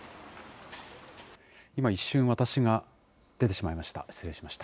今、一瞬、私が出てしまいました。